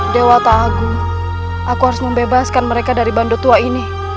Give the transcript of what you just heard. dewa ta'agu aku harus membebaskan mereka dari bandor tua ini